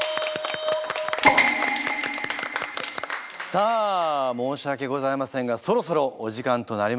さあ申し訳ございませんがそろそろお時間となりました。